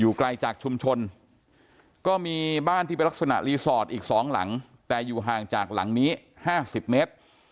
ไกลจากชุมชนก็มีบ้านที่เป็นลักษณะรีสอร์ทอีก๒หลังแต่อยู่ห่างจากหลังนี้๕๐เมตร